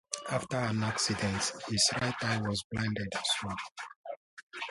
After an accident, his right eye was blinded as well.